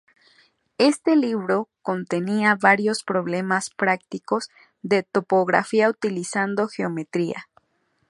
Este libro contenía varios problemas prácticos de topografía utilizando geometría.